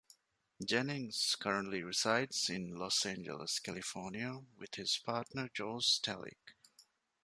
Jennings currently resides in Los Angeles, California, with his partner Josh Stehlik.